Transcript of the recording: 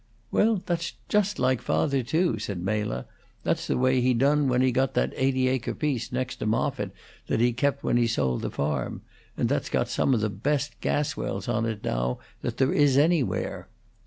"Well, that's just like father, too," said Mela. "That's the way he done when he got that eighty acre piece next to Moffitt that he kept when he sold the farm, and that's got some of the best gas wells on it now that there is anywhere."